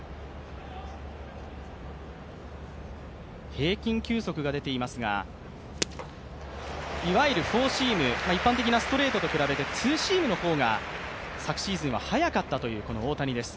平均球速が出ていますが、いわゆるフォーシーム、一般的なストレートと比べてツーシームの方が昨シーズンは速かったという大谷です。